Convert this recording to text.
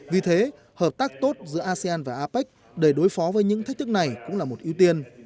vì thế hợp tác tốt giữa asean và apec để đối phó với những thách thức này cũng là một ưu tiên